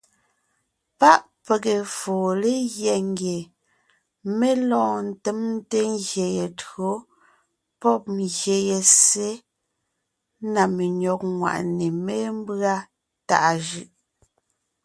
Páʼ pege foo legyɛ́ ngie mé lɔɔn ńtemte ngyè ye tÿǒ pɔ́b ngyè ye ssé na menÿɔ́g ŋwàʼne mémbʉ́a tàʼa jʉʼ.